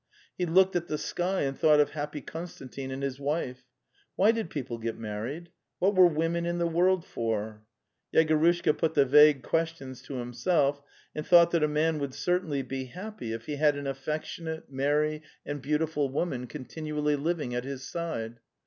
He looked at the sky, and thought of happy Konstantin and his wife. Why did people get married? What were women in the world for? Yegorushka put the vague questions to himself, and thought that a man would certainly be happy if he had an affectionate, merry and beautiful The Steppe 263, woman continually living at his side.